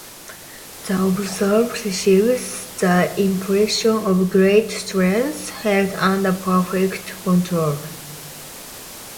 The observer receives the impression of great strength held under perfect control.